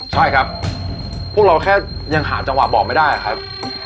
ใช่ครับพวกเราแค่ยังหาจังหวะบอกไม่ได้ครับ